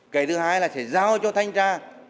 cái thứ hai là sẽ giao cho thanh tra